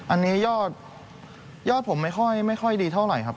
อันนี้ยอดผมไม่ค่อยดีเท่าไหร่ครับ